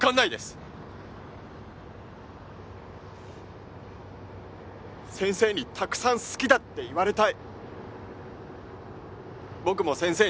僕も先生にたくさん好きだって言いたい。